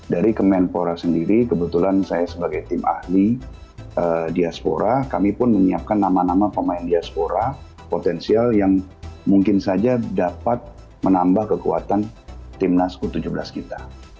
dari kemenpora sendiri kebetulan saya sebagai tim ahli diaspora kami pun menyiapkan nama nama pemain diaspora potensial yang mungkin saja dapat menambah kekuatan timnas u tujuh belas kita